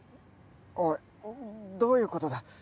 おいどういうことだ？